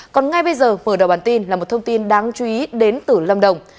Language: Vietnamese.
còn ngay bây giờ mở đầu bản tin là một thông tin đáng chú ý đến từ lâm đồng